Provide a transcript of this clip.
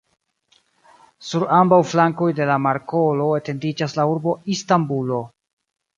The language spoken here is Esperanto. Sur ambaŭ flankoj de la markolo etendiĝas la urbo Istanbulo.